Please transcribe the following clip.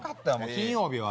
金曜日は？